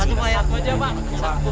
jangan lama ya pak